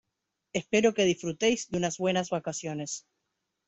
Espero que disfrutéis de unas buenas vacaciones.